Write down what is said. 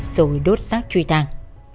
rồi đốt sát truy tàng